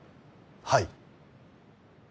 はい。